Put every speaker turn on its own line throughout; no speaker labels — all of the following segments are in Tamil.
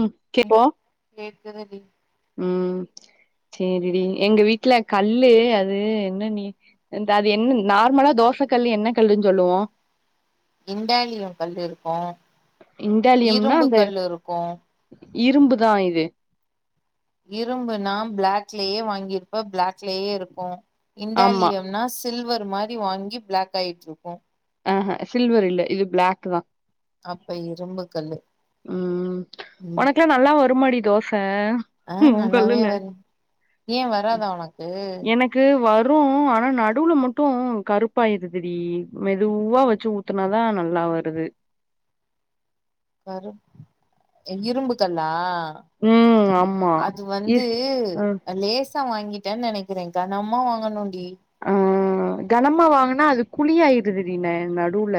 ம் கே இப்போ
கேக்குதுடி
ம் சேரிடி எங்க வீட்ல கல்லு அது என்ன நீ இந்த அது என்ன நார்மலா தோச கல்லு என்ன கல்லுன் சொல்லுவோம்
இண்டாலியும் கல்லு இருக்கும்
இண்டேலியம்னா அந்த இரும்புதான் இது
இரும்புனா பிளாக்லயே வாங்கிருப்ப பிளாக்லேயே இருக்கும்
ஆமா
இண்டாலியம்னா சில்வர் ந்த மாரி வாங்கி பிளாக் ஆயிட்டுருக்கும்
ஆஹ சில்வர் இல்ல இது பிளாக் தான்
அப்ப இரும்பு கல்லு
ம்
ம்
ஒனக்குல்லாம் நல்லா வருமாடி தோச
ஆ
உ
நல்லாவே
கல்லுல
வரு ஏன் வராதா உனக்கு
ரும் ஆனா நடுவுல மட்டும் கருப்பாயிருதுடி மெதுவா வச்சி ஊத்தனாதா நல்லா வருது
கருப் இரும்புகல்லா ஆ
ம் ஆமா
அது
இ
வந்து
ஆ
லேசா வாங்கி நெனக்குறேக்கா நம்ம வாங்கணு
ஆ கனமா வாங்குனா அது குழியாயிடுதுடி என் நடுவுல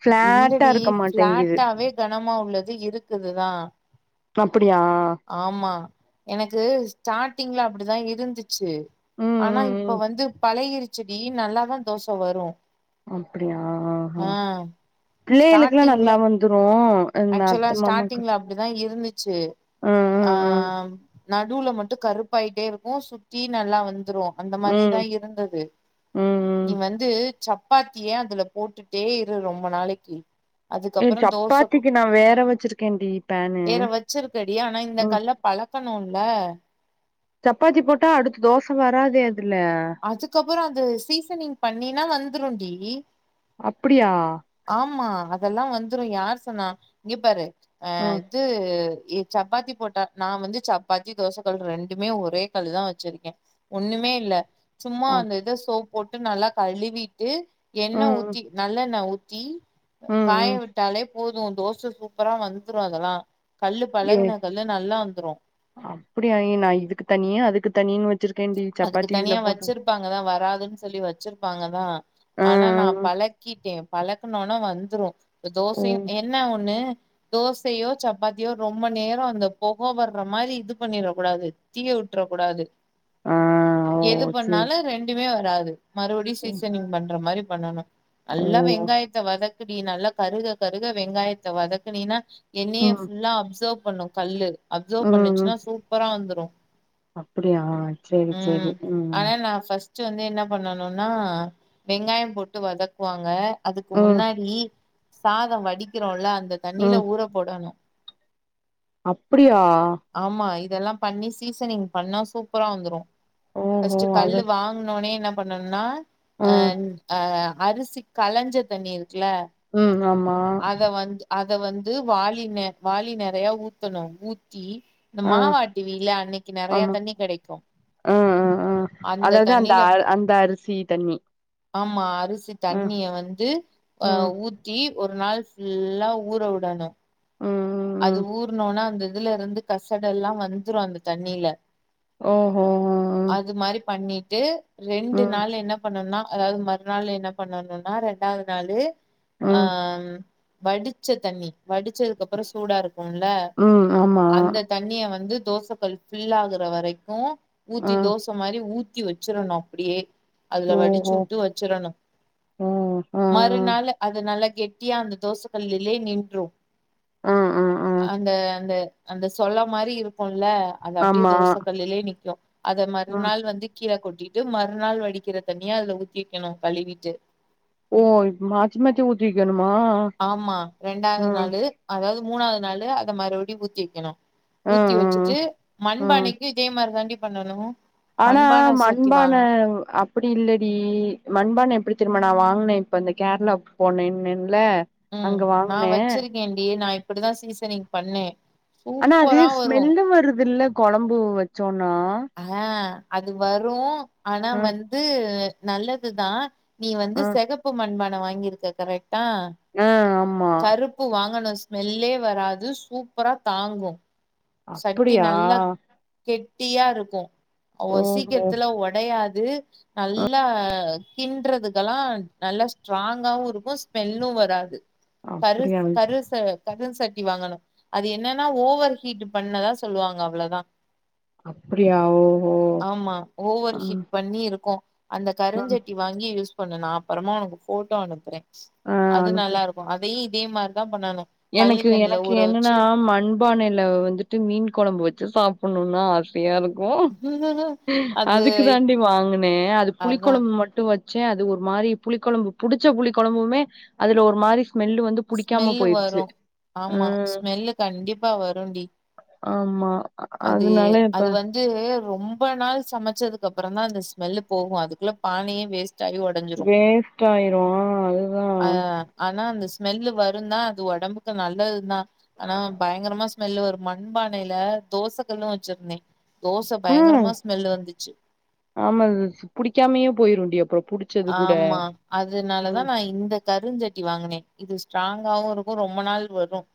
ஃபிளாட்டா
இல்லடி
இருக்க மாட்டேங்குது
பிளாட்டாவே கனமா உள்ளது இது இருக்குதுதா
அப்டியா
ஆமா எனக்கு ஸ்டாட்டிங்ல அப்டிதா இருந்துச்சு சேரி
ம்
ஆனா
ம்
இப்ப
ம்
வந்து பழகிருச் ச்சு டி நல்லாதா தோச வரு
அப்டியா ஆ பிள்ளைகளுக்குகெல்லா நல்லா
ஸ்டார்டிங்ல
வந்துரு இந்த
ஆக்சுவலா
அத்த மாமாக்கு
ஸ்டாட்டிங்ல அப்டிதா இருந்துச்சு
ம்
ஆ
ம் ம்
நடுவுல ம வந்து கருப்பாயிட்டே இருக்கு சுத்தி நல்லா வந்து வந்துருவோ அந்த மாரியேதா
ம்
இருந்தது
ம் ம்
நீ வந்து சப்பாத்திய அதுல போட்டுட்டே இரு ரொம்ப நாளைக்கு
ஏ
அதுக்கப்புறோ தோச
சப்பாத்திக்கு நா வேற வச்சிருக்கேன்டி பேனு
வேற வச்சிருக்கடி ஆனா இந்த
ம்
கல்ல பழக்கணுல்ல
சப்பாத்தி போட்டா அடுத்து தோச வராதே அ
அதுக்கப்பறோ அது சீசனிங் பண்ணேனா வந்துருடி
அப்புடியா
ஆமா அதெல்லா வந்துரு யார் சொன்னா இங்க பாரு அ
ம்
இது சப்பாத்தி போட்டா நா வந்து சப்பாத்தி தோச கல் ரெண்டுமே ஒரே கல்லுதா வச்சிருக்கே ஒன்னுமே இல்ல சும்மா
அப்
அந்த இது சோப் போட்டு நல்லா கழுவிட்டு எண்ண
ம் ம்
ஊத்தி நல்லெண்ண ஊத்தி ஜின்
ம்
காய
ம்
விட்டாலே போது தோச சூப்பரா வந்துரு அதெல்லா கல்லு
ஏ
பழகுன கல்லு நல்லா வந்துரு
அப்டியா நா இதுக்கு தனியா அதுக்கு த நீங்க வச்
அதுக்கு தனியா வச்சிருப்பாங்கதான் வராதுன் சொல்லி வச்சுரு பாங்க தா
ஆ
ஆனா நா பழக்கிட்டேன் பழக்கனோன வந் வந்துரும்
ஆ
தோசையு என்ன ஒண்ணு தோசையோ சப்பாத்தியோ ரொம்ப நேரம் அந்த பொக வர்ற மாரி இது பண்ணிற கூடாது தீயவுட்டுற கூடாது
ஆ ஓ
எது
சேரி
பண்ணாலும் ரெண்டுமே வராது மறுவுடியும்
சே
சீசனிங் பண்ற மாரி பண்ணணு
ஓ
நல்லா வெங்காயத்த வதக் கு நீ நல்லா கருக கருக வெங்காயத்த வதக்குனினா எண்ணெய
ம்
ஃபுல்லா அப்சவ்ப் பண்ணும் கல்லு அப்சவ் பண்ணிச்சுனா சூப்பரா வந்துரும்
அப் அப்டியா செரி செரி ம்
ட் வந்து என்ன பண்ணனுன்னா வெங்காயம் போட்டு வதக்குவாங்க அதுக்கு
ம்
முன்னாடி சாதம் வடிக்கிறோன்ல அந்த தண்ணில
ம்
ஊற போடணு
அப்டியா
ஆமா இதெல்லா பண்ணி சீசனிங் பண்ணா சூப் பரா வந்துரும்
ஓஹோ
பஸ்ட்டு
அது
கல்லு வாங்குனோனே என்ன பண்ணுன்னா
ம்
அன் ஆ அரிசி கலஞ்ச தண்ணி இருக் குல
ம் ஆமா
அத வந்து அத் அத வந்து வாளி ந வாளி நெறையா ஊத்தணும் ஊத்தி இந்த
ஆ
மாவாட்டுவீல அன்னைக்கு நெறைய
ஆமா
தண்ணி கெடைக்
ஆ ஆ ஆ
அந்த
அதாவது
தண்ணில
அ அந்த அரிசி தண்ணி
ஆமா அரிசி
ம்
தண்ணிய வந்து ஆ
ம்
ஊத்தி ஒரு நாள் ஃபுல்லா ஊற உடணும்
ம் ம்
அது
ம்
ஊர்னோன அந்து அதுல இருந்து கசடு எல்லா வந்துரும் அந்த தண்ணில
ஓஹோ ம்
அது மாரி பண்ணி டு ரெண்டு
ம்
நாள் என்ன பண்ணுன்னா அதாது மறுநாள் என்ன பண்ணணுன்னா ரெண்டாது நாளு ஆ ம் வடிச்ச தண்ணி வடிச்சது அப்ற சூடா இருக்குன்ல
ம் ஆமா
அந்த தண்ணிய வந்து தோசகல் ஃபில் ஆகுற வரைக்கும் ஊத்தி
ம்
தோச மாரி ஊத் தூக்கி வச்சிரணு அப்டியே அதுல வடிச்சு
ஓஹோ
உட்டு வச்சுறணு
ம் ம்
மறுநாள் அது நாலு கெட்டியா அந்த தோச கல்லுலே நின்றும்
ம் ம் ம்
அன்டு அந்த அந்த சொல்ல மாரி இருக்கும் ல அது அப்டியே
ஆமா
தோச கல்லுலே நிக்கிம் அத
ம்
மறுநாள் வந்து கீழ கொட்டி டு மறுநாள் வடிக்கிற தண்ணிய அதுல ஊத்தி வக்கணு கழுவிட்டு
ஓ இப் மாத்தி மாத்தி ஊத்தி வக்கணு
ஆமா ரெண்டாது நாளு அதாது மூணாது நாளு அத மறுடியு ஊத்தி வக்கணு
ம்
ஊத்தி
ம்
வச்சுட்டு
ம்
மண்பானைக்கு இதே மார் தாண்டி பண்ணணு
ஆனா
மண்பான சட்டி
மண்பானை
வாங்கனு
அப்டி இல்லடி மண்பானை எப்டி தெரியுமா நா வாங் குனே இப்ப அந்த கேரளாவுக்கு போனேன்ன
ம் நா வச்சுருக்கேன்டி நா இப்டிதான் சீசனிங் பண்ணே
ஆனா அது
சூப்பரா வரு
ஸ்மெல்லு வருதுல்ல கொழம்பு வச்சோ
ஆ அது வரும் ஆனா
ம்
வந்து நல்லதுதா நீ வந்து
ம்
செகப்பு மண்பான் நா வாங்கிருக்க கரெட் ஆ
ஆ ஆமா
கருப்பு வாங்கணு ஸ்மெல்லே வராது சூப்பரா தாங்கும்
அப்டியா
டியா இருக் கும் அவோ
ஓஹோ
சீக்கிரத்துல ஒடயாது து நல்லா கின்றதுக்கெல்லா நல்லா ஸ்ட்ராங்காவு இருக்கும் ஸ்மெல்லும் வராது கரு
அப்டியா
கருச கருச டி வாங்கணும் அது என்னன்னா ஓவர் ஹீட் பண்ணதா சொல்லுவாங்க அவ்ளோதா
ஆஹ
ஆமா ஓவர்
ம்
ஹீட் பண்ணி இருக்கும் அந்த
ம்
கருஞ்சட்டி வாங்கி யூஸ் கொஞ்சம் நா அப்புறமா ஒனக்கு போட்டோ அனுப்புறே
ஆ
அது
அனுப்பு
நல்லா இருக்கும் அதையி இதேமார்தா
எனக்கு எனக்கு என்னன்னா மண்பானையில வந்துட்டு மீன் கொழம்பு வச்சி சாப் பண்ணுனா ஆசையா இருக் ஓ
அது
அதுக்கு தாண்டி வாங்கனன் அது புளி
அதா
கொழம்பு மட்டும் வச் ச்ச அது ஒரு மாரி புளிகொழம்பு புடிச்ச புளி கொழம்புமே அதுல ஒரு மாரி ஸ்மெல்லுவந்து புடிக்காம போயிரு
ரொ ஆமா ஸ்மெல்லு கண்டிப்பா வரும் டி
ஆமா
அது
அதனால இப்ப
அது வந்து ரொம் ரொம்ப நாள் சமைச்சதுக்கு அப்புறம் தா அந்த ஸ்மெல்லு போகும் அதுக்குள்ளே பானயே வேஸ்
வேஸ்ட்டாயிரும் அதுதா
ஆ ஆனா அந்த ஸ்மெல்லு வரும்தான் அது ஒடம்புக்கு நல்லது தா ஆனா பயங்கரமா மெல்ல ஒரு மண்பானைல தோசைகல்லு வச்சுருந்தேன்
ம் ஆமா அதுஸ் புடிக்காமயே போயிரும் அப்றோ புடிச்சது கூட
ஆமா
ம்
அதுனாலதான் நா இந்த கருஞ்சட்டி வாங்குனே இது ஸ்ட்ராங்காவும் இருக்கும் ரொம்ப நாள் வரும்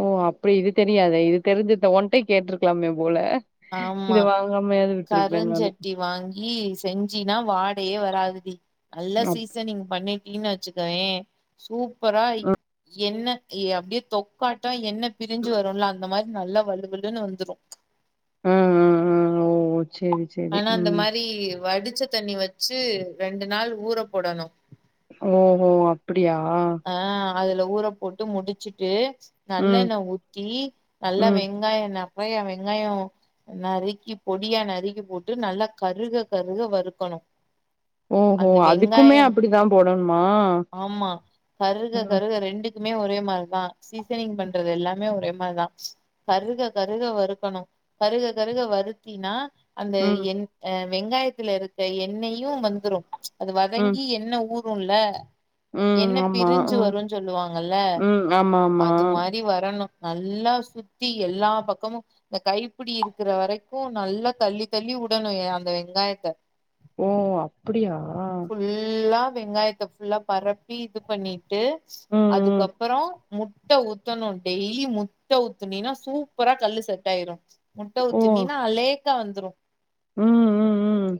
ஓ அப்டி இது தெரியாத இது தெரிஞ்சுந்தா ஒன்ட கேட்ருக்கலாமே போல
ஆமா
இத வாங்காமயாது விட்ருப்பே நானு
கருஞ்சட்டி வாங்கி செஞ்சினா வாடயே வராது டி நல்லா
அப்
சீசனிங் பண்ணி ணினு வச்சு கோயேன் சூப் பரா எண்ணெ யே அப்டியே தொக்கட்டோ எண்ணெய் பிரிஞ்சு வரும் அந்த மாரி நல்ல வலு வலுன்னு வந்துரும்
ம் ம் ம் ஓ சேரி சேரி
ஆனா இந்த
ம்
மாரி வடிச்ச தண்ணி வச்சு ரெண்டு நாள் ஊற போடணு
ஓஹோ அப்டி அப்டியா
ஆ அதுல ஊற போட்டு முடிச்சிட்டு நல்ல
ம்
எண்ணெய் ஊத்தி நல்லா
ம்
வெங்காய ந நெறையா வெங்காயோ நறுக்கி பொடியா நறுக்கி போட்டு நல்லா கருக கருக வறுக்கணு
ஓஹோ
அந்த
அதுக்குமே
வெங்காயோ
அப்டிதா போடணுமா
ஆமா கருக
ம்
கருக ரெண்டு குமே ஒரே மாரிதா சீசனிங் பண்றது எல்லாமே ஒரே மாரிதா கருக கருக வறுக்கணும் கருக கருக வருத்தீனா அந்த
ம்
என் அ வெங்காயத்துல இருக் அந்த எண்ணெயும் வந்துரு அது
ம்
வதங்கி எண்ணெ ஊத் ருன்ல
ம்
எண்ணெப்
ஆமா
பிரிஞ்சு
ம்
வருஞ் சொல்லுவாங்கல்ல
ம் ஆமா ஆமா
அது மாரி வரணு நல்லா சுத்தி எல்லா பக்கமும் இந்த கைப்புடி இருக்கிற வரைக்கும் நல்லா தள்ளி தள்ளி உடணு அந்த வெங்காயத்த
ஓ அப்படியா
வெங்காயத்தை புல்லா பரப்பி இது பண்ணி விட்டு
ம் ம்
அதுக்கப்பறம் முட்டை ஊத்தணும் டெய்லி முட்டை ஊத்துனீனா சூப்பரா கல்லு செட் ஆயிரும்
ஓ
முட்டவூத்து நீனா அதுலே கா வந்துரும்
ம் ம் ம்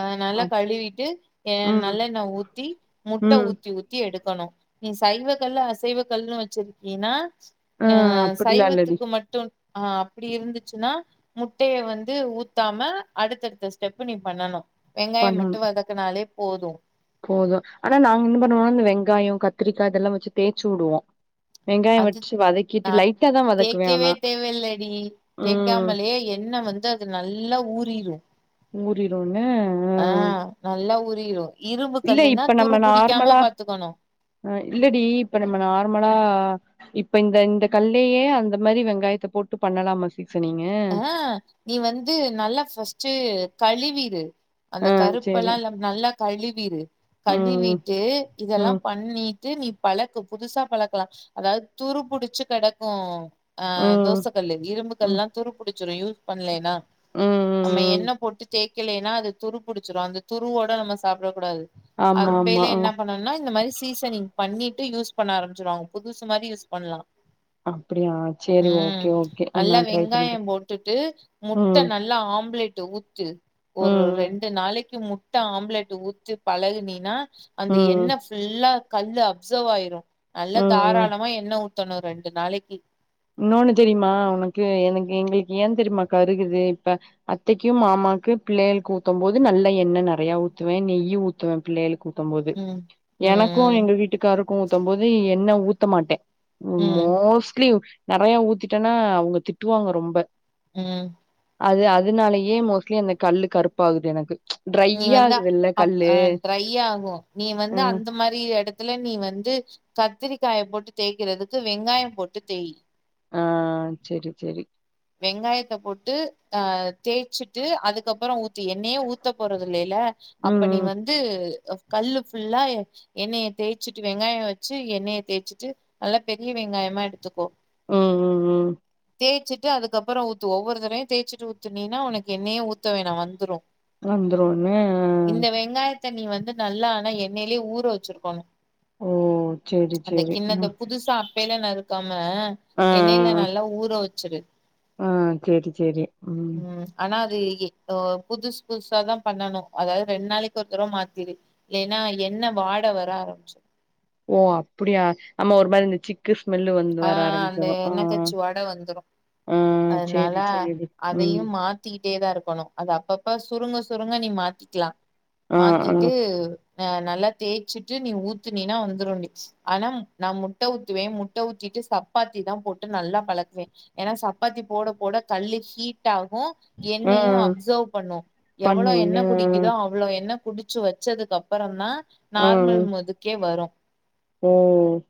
அஹ் நல்லா
அப்
கழுவிட்டு ஹ
ம்
நல்லெண்ணெய் ஊத்தி முட்டை
ம்
ஊத்தி ஊத் எடுக்கணும் நீ சைவ கல்லு அசைவ கல்லுன்னு வச்சிருக்கீன்னா
ஆ
அஹ்
அப்டிலா இல்லடி
சைவத்துக்கு மட்டும் ஆஹ் அப்படி இருந்துச்சுன்னா முட்டைய வந்து ஊத்தாம அடுத்தடுத்த ஸ்டெப்பு நீ பண்ணணும் வெங்காயம் மட்டும் வதக்குனாலேப் போதும்
போதும் ஆனா நாங்க என்ன பண்ணுவோம்னா இந்த வெங்காயம் கத்திரிக்காய் இதெல்லாம் வச்சு தேய்சு வுடுவோம்
அது அ
தா வதக்குவே
தேக்கவே
ஆனா
தேவல்லடி
ம்
தேக்காமலே எண்ணெய் வந்து அது நல்லா ஊறிரும்
மூடிரும் உஹம் ஹ
நல்லா ஊறிரு இரும்பு
இல்ல
கல்லுன்னா
இப்ப
துரு
நம்ம
புடிக்காம
நார்மலாஹ்
பாத்துக்கணு
இல்லடி இப்ப நம்ம நார்மலா இப்ப இந்த இந்த கல்லேயே அந்த மாதிரி வெங்காயத்த போட்டு பண்ணலாமா சீசனிங்கு
அஹ் நீ வந்து நல்லா ஃபஸ்ட் கழிவிரு அந்த
ஆ சேரி
கருப்பெல்லாம் நல்லா கழிவிரு
ம்
கழுவிட்டு
ம்
இதெல்லாம் பண்ணி நீ பழக்கு புதுசா பழக்கலாம் அதாவது துரு புடுச்சு கெடக்கும் ஆஹ்
ம்
தோசைக்கல்லு இரும்பு
ம்
கல்லாம் புடிச்சிடும் யூஸ் பண்லேனா
ம்
நம்ம
ம்
எண்ண போட்டு தேக் தெக்கலைேன்னா அதுதுரு பிடிச்சிடும் அந்த துருவோட நம்ம சாப்பிடக் கூடாது
ஆமா
அது
ஆமா
மேல என்ன
ம்
பண்ணும்னா இந்த மாதிரி சீசனிங் பண்ணிட்டு யூஸ் பண்ண ஆரம்பச்சடுவங்க புதுசு மாதிரி யூஸ் பண்ணலாம்
அப்படியா சரி ஓகே ஓகே
நல்லா
நான் ட்ரை பண்றே
வெங்காயம் போட்டுட்டு முட்டை
ம்
நல்லா ஆம்லேட் இத ஊத்து ஒரு
ம்
ரெண்டு நாளைக்கி முன் முட்ட ஆம்லெட் ஊத்தி பழகுனினா அந்த
ம்
எண்ணெ ஃபுல்லா கல்லு அப்சவ் ஆயிரும் நல்ல
ம் ம்
தாராளமா எண்ணெ ஊத் தனு ரெண்டு நாளைக்கி
இன்னொன்னு தெரியுமா ஒனக்கு எனக்கு எங்களுக்கு ஏ தெரியுமா கருகுது இப்ப அத்தைக்கு மாமாக்கு பிள்ளயளுக்கு ஊத்து போது நல்ல எண்ணெய் நெறைய ஊத்துவேன் நெய் ஊத்துவேன் பிள்ளயளுக்கு ஊத் தம்போது
ம்
எனக்கு
ம்
எங்க வீட்டுக்காருக்கும் ஊத்தம்போது எண்ணெ ஊத் த மாட்டேன்
ம்
மோஸ்ட்லி நெறைய ஊத்திட்டனா அவுங்க திட்டுவாங்க ரொம்ப
ம்
அது அதுனாலயே மோஸ்ட்லி அந்த கல்லு கருப்பாகுது எனக்கு
நீ
ட்ரையா
வந்து
ஆகுதுல்ல
அப்
கல்லு
ட்ரையா ஆகும் நீ வந்து
ம்
அந்த மாரி எடத்துல நீ வந் வந்து கத்திரிக்காய போட்டு தேக்கிறதுக்கு வெங்காயம் போட்டு தேயி
ஆ செரி செரி
வெங்காயத்த போட்டு அ தேய்ச்சிட்டு அதுக்கப்ற ஊத்து எண்ணெயே ஊத்த போறது இல்லேல
ம்
அப்ப நீ
ம்
வந்து கல்லு ஃபுல்லா எண்ணெய தேச்சுட்டு வெங்காயம் வச்சு எண்ணெய தேச்சுட்டு நல்லா பெரிய வெங்காயமா எடுத்துக்கோ
ம் ம் ம்
தேச்சிட் டு அதுக்கப்ற ஊத்து ஒவ்வொரு தடவயும் தேச்சுட்டு ஊத்துனினா உனக்கு எண்ணெய்யே ஊத்த வேணா வந்துரும்
வந்துருனோனே
வெங்காயத்த நீ வந்து நல்லா ஆனா எண்ணெயிலே ஊற வச்சுருக்கணு
ஓ சேரி சேரி ம்
வேல நிருத்தம் ம
ஆ ஆ
எண்ணெல
ஆ.
நல்லா ஊற வச் சுடு
ஆ சேரி சேரி ம்
து இப்போ புதுசு புதுசாதா பண்ணணு அதாது ரெண்டு நாளைக்கி ஒருத்தடவ மாத்திடு இல்லன்னா எண்ணெ வாட வர ஆரம்பிச்சுடு
ஓ அப்டியா அமா ஒரு மாரி இத்த சிக்கு ஸ்மெல்லு வந்து வர
ஆஹ் அந்த
ஆரம்பிச்சிரு ஆ
எண்ணெய கச்சி வாடை வந்துடும்
ஆ
அதனால
சேரி சேரிடி ம்
அதையும் மாத்திக்கிட்டே தான் இருக்கும் போனும் அது அப்பப்ப சுருங்க சுருங்க நீ மாத்திக்கலாம்
ஆ ஆ
மாத்திட்டு ஆஹ் நல்லா தேய்ச்சிட்டு நீ ஊத்தின்னினா வந்துரும் டி ஆனா நான் முட்டை ஊத்துவேன் மு ட்ட ஊத்திட்டு சப்பாத்தி தான் போட்டு நல்லா பழக்குவேன் ஏன்னா சப்பாத்தி போட போட கல்லு ஹீட்
ஆ
என்னையும் அப்சர்வ் பண்ணும் எவ்வளோ என்ன
பண்ணுவோம்ல
குடிக்குதோ அவ்ளோ என்ன குடிச்ச ச்சு வச்சதுக்கு அப்புறம் தான் நார்மல் முதுக்கே வரும்
உம்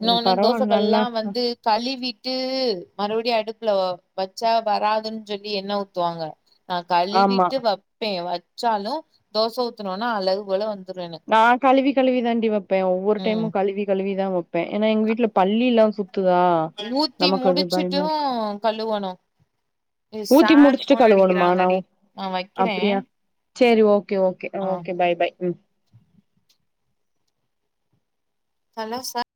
இன்னொ ஒன்னு தோசைகள் எல்லாம் வந்து கா தள்ளி விட்டு மறுபடியும் அடுப்புல வச்சா வராதுன்னு சொல்லி என்ன ஊத்துவாங்க நான்
ஆமா
கழுவிட்டு வைப்பேன் வ வ ச்சாலும் தோசை ஊத்தனும்னா அழகு போல வந்து
நான் கழுவி கழுவிதாண்டி வைப்பேன் ஒவ்வரு
ம்
டைமும் கழுவி கழுவிதான் வைப்பேன் இருப்பேன் ஏன்னா எங்க வீட்டுல பள்ளி எல்லாம் சு
ஊத்தி முடிச்சுட்டும்
இருக்கு
கழுவணும்
ஊத்தி முடிச்சுட்டு கழுவணுமா ந
நா வைக்கிறே
அப்படியா சரி ஓகே
ஆ
கே பாய் பாய் உம்
ஹலோ சார்